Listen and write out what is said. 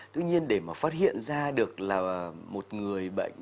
tuy nhiên để mà phát hiện ra được là một người bệnh